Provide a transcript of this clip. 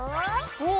おお！